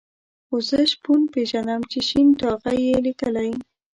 خو زه شپون پېژنم چې شين ټاغی یې لیکلی.